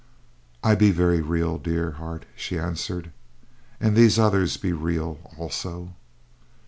"I be very real, dear heart," she answered, "and these others be real, also.